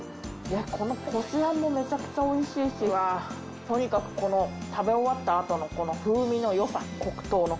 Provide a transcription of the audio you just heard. このこしあんもめちゃくちゃおいしいし、とにかくこの食べ終わった後の風味のよさ、黒糖の。